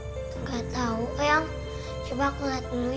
enggak tahu ayam coba aku lihat dulu ya